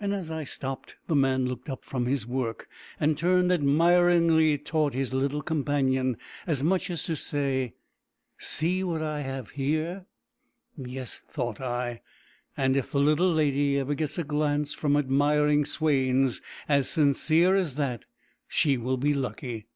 As I stopped, the man looked up from his work, and turned admiringly towards his little companion, as much as to say, "See what I have got here!" "Yes," thought I; "and if the little lady ever gets a glance from admiring swains as sincere as that, she will be lucky."